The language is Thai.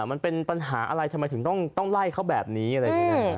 มันเป็นปัญหาอะไรทำไมถึงต้องไล่เขาแบบนี้อะไรอย่างนี้นะ